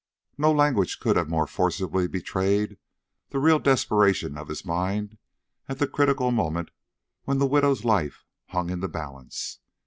No language could have more forcibly betrayed the real desperation of his mind at the critical moment when the widow's life hung in the balance.